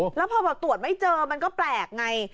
แล้วพอตรวจไม่เจอมันก็แปลกไง